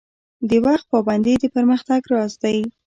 د وخت پابندي د پرمختګ راز دی